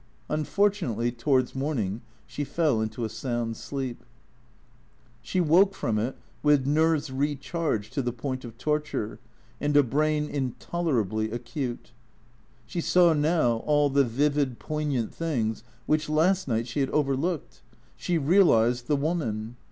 Unfortunately, towards morning she fell into a sound sleep. She woke from it with nerves re charged to the point of torture and a brain intolerably acute. She saw now all the vivid, poignant things which last night she had overlooked. She realized the woman.